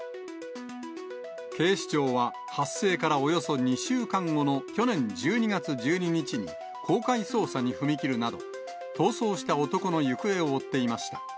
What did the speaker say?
警視庁は発生からおよそ２週間後の去年１２月１２日に公開捜査に踏み切るなど、逃走した男の行方を追っていました。